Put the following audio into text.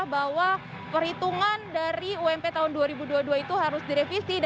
bahwa perhitungan dari ump tahun dua ribu dua puluh dua itu harus direvisi